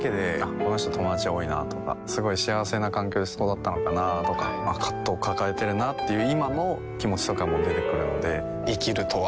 この人友達が多いなとかすごい幸せな環境で育ったのかなとか葛藤を抱えているなという今の気持ちとかも出てくるので生きるとは？